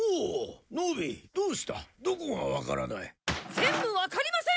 全部わかりません。